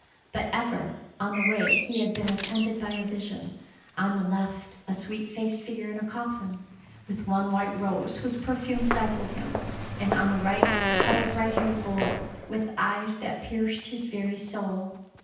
But ever on the way he had been attended by a vision, on the left a sweet faced figure in a coffin, with one white rose whose perfume stifled him, and on the right by a bright haired boy with eyes that pierced his very soul.